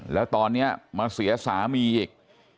แล้วตอนนี้มาเสียสามีอีก